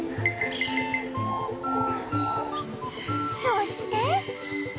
そして